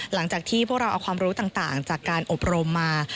หลังจากที่พวกเราเอาความรู้ต่างจากการอบรมมา